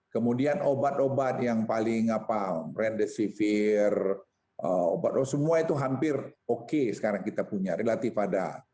kemudian obat obat yang paling rendecivier obat semua itu hampir oke sekarang kita punya relatif ada